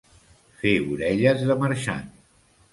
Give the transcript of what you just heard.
Fer orelles de marxant.